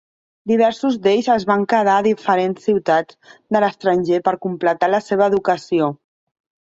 Diversos d'ells es van quedar a diferents ciutats de l'estranger per completar la seva educació.